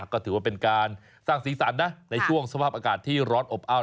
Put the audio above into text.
ก็ถือว่าเป็นการสร้างสีสันนะในช่วงสภาพอากาศที่ร้อนอบอ้าว